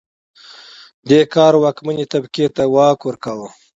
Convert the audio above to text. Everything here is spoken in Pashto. دې کار واکمنې طبقې ته واک ورکاوه